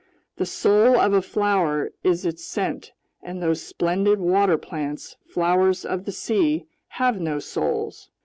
The soul of a flower is its scent, and those splendid water plants, flowers of the sea, have no souls!